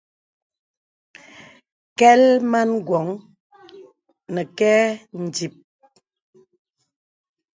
Kɛ̀l man wɔŋ nə kɛ ǹdìp.